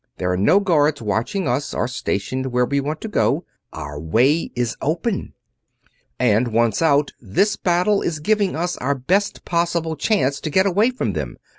There are no guards watching us, or stationed where we want to go our way out is open. And once out, this battle is giving us our best possible chance to get away from them.